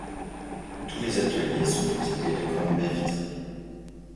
Tous les ateliers sont équipés de grandes baies vitrées.